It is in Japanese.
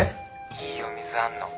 いいお水あんの。